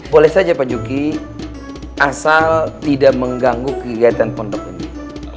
boleh saja pak juki asal tidak mengganggu kegigaitan pendokunan teh ini